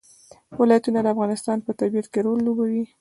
ولایتونه د افغانستان په طبیعت کې رول لوبوي.